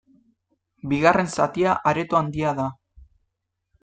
Bigarren zatia areto handia da.